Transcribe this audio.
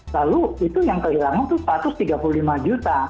lalu itu yang kehilangan tuh rp empat ratus tiga puluh lima juta